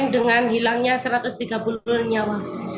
tidak sebanding dengan hilangnya satu ratus tiga puluh nyawa